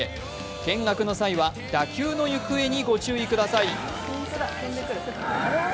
見学の際は打球の行方にご注意ください。